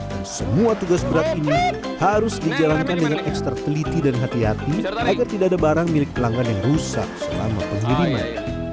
dan semua tugas berat ini harus dijalankan dengan ekstra teliti dan hati hati agar tidak ada barang milik pelanggan yang rusak selama pengiriman